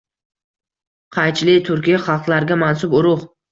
Qaychili – turkiy xalqlarga mansub urug‘.